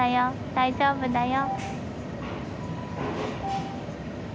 大丈夫だよ。